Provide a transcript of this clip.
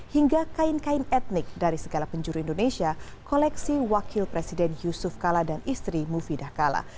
hingga kain kain etnik dari segala penjuru indonesia koleksi wakil presiden yusuf kala dan istri mufidah kala